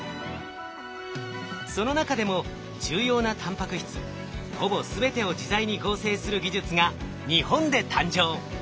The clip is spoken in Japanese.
その中でも重要なタンパク質ほぼ全てを自在に合成する技術が日本で誕生。